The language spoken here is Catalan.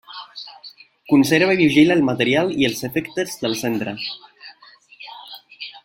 Conserva i vigila el material i els efectes del centre.